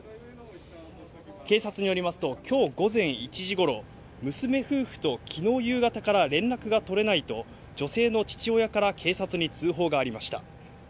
警察によりますと、きょう午前１時ごろ、娘夫婦ときのう夕方から連絡が取れないと、女性の父親から警察に通報がありました。